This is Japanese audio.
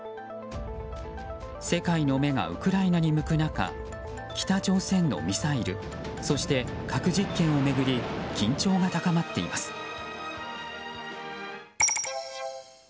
世界の目がウクライナに向く中北朝鮮のミサイルそして核実験を巡り緊張が高まっています。